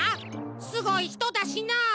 すごいひとだしな。